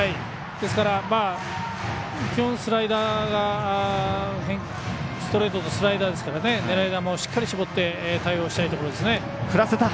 ですから、基本ストレートとスライダーですから狙い球をしっかり絞って対応したいところですね。